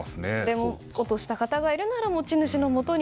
でも、落とした方がいるなら持ち主の方とのところに